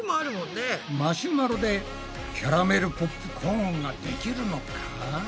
マシュマロでキャラメルポップコーンができるのか？